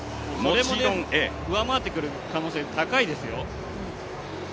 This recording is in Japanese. それを上回ってくる可能性、高いですよ。